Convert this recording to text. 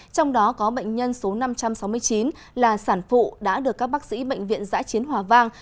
trong đó có bệnh nhân số năm trăm sáu mươi chín là sản phụ đã được các bác sĩ bệnh viện giã chiến hòa vang